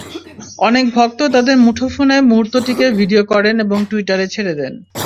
অনেক ভক্ত তাঁদের মুঠোফোনে মুহূর্তটিকে ভিডিও করেন এবং টুইটারে ছেড়ে দেন।